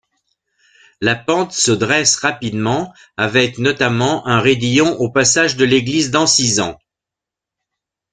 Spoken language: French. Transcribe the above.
La pente se dresse rapidement avec notamment un raidillon au passage de l'église d'Ancizan.